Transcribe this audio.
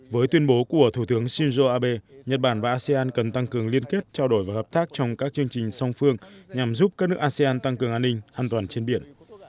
với tuyên bố của thủ tướng shinzo abe nhật bản và asean cần tăng cường liên kết trao đổi và hợp tác trong các chương trình song phương nhằm giúp các nước asean tăng cường an ninh an toàn trên biển